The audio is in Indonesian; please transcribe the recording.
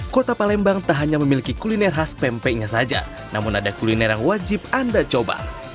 kota palembang tak hanya memiliki kuliner khas pempeknya saja namun ada kuliner yang wajib anda coba